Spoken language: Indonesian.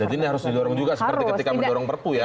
jadi ini harus didorong juga seperti ketika mendorong perpu ya